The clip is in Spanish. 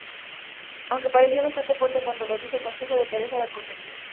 Aunque parecía bastante fuerte cuando lo dijo, el consejo de Teresa era correcto.